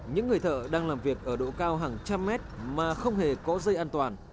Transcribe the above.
những người thợ đang làm việc ở độ cao hàng trăm mét mà không hề có dây an toàn